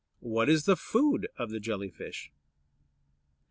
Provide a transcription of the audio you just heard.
What is the food of the Jelly fish?